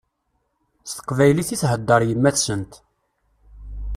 S teqbaylit i theddeṛ yemma-tsent.